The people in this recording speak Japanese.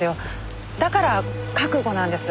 だから覚悟なんです